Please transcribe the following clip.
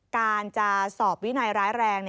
การจะสอบวินัยร้ายแรง